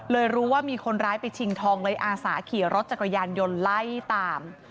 รู้ว่ามีคนร้ายไปชิงทองเลยอาสาขี่รถจักรยานยนต์ไล่ตาม